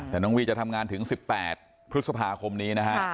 แต่น้องวีจะทำงานถึงสิบแปดปฏิสภาคมนี้นะคะ